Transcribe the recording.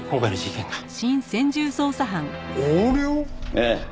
ええ。